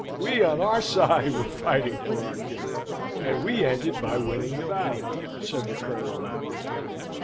"We, on our side, were fighting for our king; and we ended by winning the battle," said the Colonel, laughing.